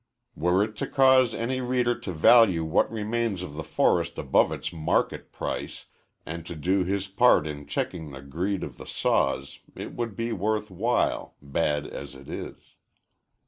Were it to cause any reader to value what remains of the forest above its market price and to do his part in checking the greed of the saws, it would be worth while bad as it is.